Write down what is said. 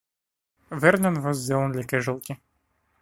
Vernon was the only casualty.